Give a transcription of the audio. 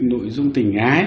nội dung tình ái